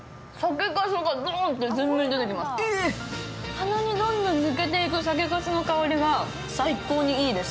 鼻にどんどん抜けていく酒粕の香りがいいです。